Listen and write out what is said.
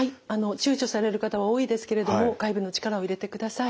ちゅうちょされる方は多いですけれども外部の力を入れてください。